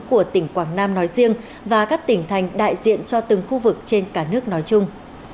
của tỉnh quảng nam nói riêng và các tỉnh thành đại diện cho từng khu vực trên cả nước nói chung